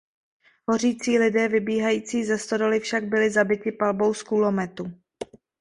Hořící lidé vybíhající ze stodoly však byli zabiti palbou z kulometu.